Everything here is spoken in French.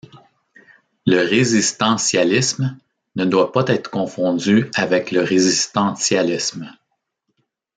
Le résistancialisme ne doit pas être confondu avec le résistantialisme.